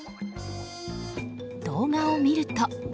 動画を見ると。